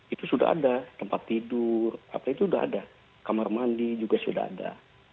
itu sudah ada tempat tidur apa itu sudah ada kamar mandi juga sudah ada